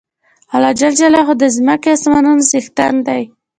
الله ج د ځمکی او اسمانونو څښتن دی